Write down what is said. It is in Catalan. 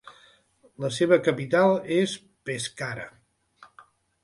La seva capital és Pescara.